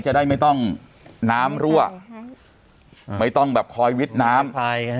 จะได้ไม่ต้องน้ำรั่วไม่ต้องแบบคอยวิดน้ำ